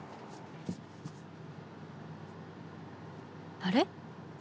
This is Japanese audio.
あれ？